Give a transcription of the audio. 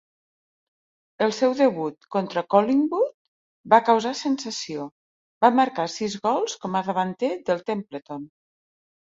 El seu debut contra Collingwood va causar sensació, va marcar sis gols com a davanter del Templeton.